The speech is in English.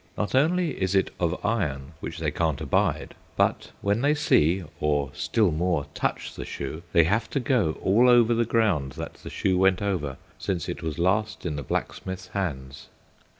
Not only is it of iron, which they can't abide, but when they see or, still more, touch the shoe, they have to go over all the ground that the shoe went over since it was last in the blacksmith's hands.